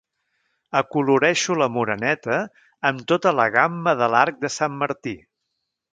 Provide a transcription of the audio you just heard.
Acoloreixo la Moreneta amb tota la gamma de l'arc de Sant Martí.